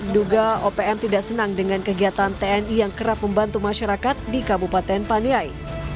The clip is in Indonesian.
duga opm tidak senang dengan kegiatan tni yang kerap membantu masyarakat di kabupaten paniai